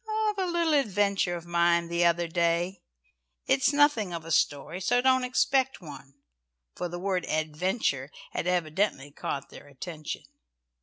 "Of a little adventure of mine the other day. It is nothing of a story, so don't expect one;" for the word "adventure" had evidently caught their attention.